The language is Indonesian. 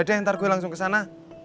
yaudah deh ntar gue langsung kesana